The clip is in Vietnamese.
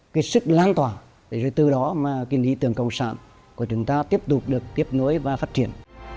cái sức lan tỏa để rồi từ đó mà cái lý tưởng cộng sản của chúng ta tiếp tục được tiếp nối và phát triển